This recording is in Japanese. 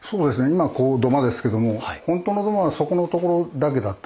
今こう土間ですけども本当の土間はそこのところだけだったんですね。